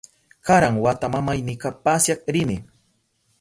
Karan wata mamaynita pasyak rini.